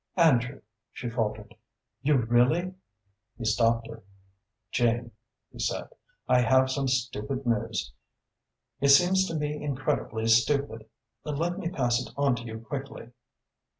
"Andrew," she faltered, "you really " He stopped her. "Jane," he said, "I have some stupid news. It seems to me incredibly stupid. Let me pass it on to you quickly.